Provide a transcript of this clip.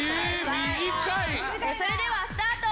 それではスタート！